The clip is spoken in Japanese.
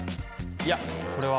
いやこれは。